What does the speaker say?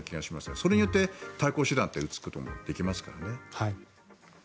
それによって対抗手段を打つこともできますからね。